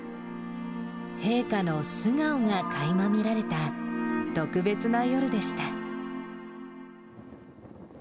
陛下の素顔がかいま見られた特別な夜でした。